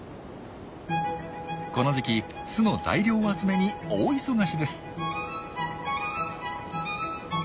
この時期巣の材料集めに大忙しです。